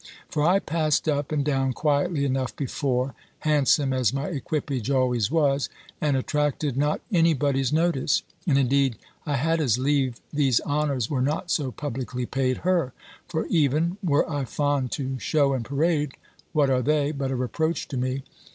For I passed up and down quietly enough before (handsome as my equipage always was) and attracted not any body's notice: and indeed I had as lieve these honours were not so publicly paid her; for even, were I fond to shew and parade, what are they, but a reproach to me?